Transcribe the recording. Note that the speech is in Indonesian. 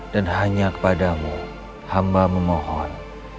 dan hanya kepadamu hamba memohon